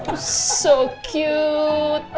oh sangat keren